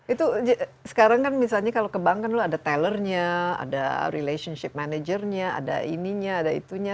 itu sekarang kan misalnya kalau ke bank kan ada tellernya ada relationship managernya ada ininya ada itunya